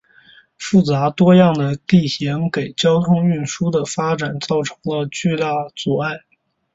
复杂多样的地形给交通运输的发展造成了巨大阻碍。